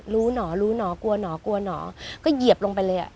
รู้หน่อรู้หน่อกลัวหน่อกลัวหน่อก็เหยียบลงไปเลย